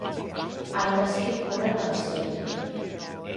Aínda así morreu na miseria.